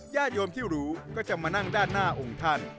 ญาติโยมที่รู้ก็จะมานั่งด้านหน้าองค์ท่าน